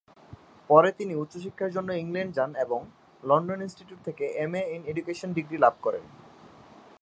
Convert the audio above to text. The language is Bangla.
পরে তিনি উচ্চ শিক্ষার জন্য ইংল্যান্ড যান এবং লন্ডন ইনস্টিটিউট থেকে এমএ ইন এডুকেশন ডিগ্রি লাভ করেন।